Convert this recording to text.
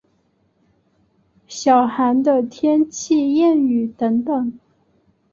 小寒的天气谚语等等。